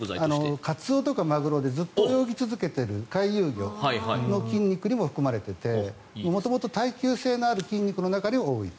カツオとかマグロずっと泳いでいる回遊魚の筋肉にも含まれていて元々、耐久性のある筋肉の中に多い。